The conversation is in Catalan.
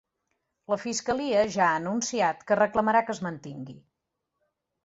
La fiscalia ja ha anunciat que reclamarà que es mantingui.